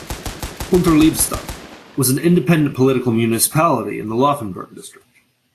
Unterleibstadt was an independent political municipality in the Laufenburg district.